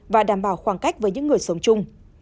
và đảm bảo khoảng cách với những người sống chung